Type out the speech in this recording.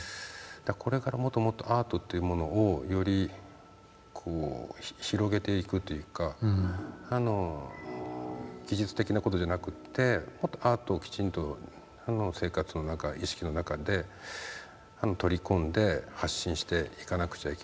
これからもっともっとアートっていうものをより広げていくというか技術的な事じゃなくってもっとアートをきちんと生活の中意識の中で取り込んで発信していかなくちゃいけない。